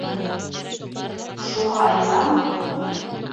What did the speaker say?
Шуға ризамы?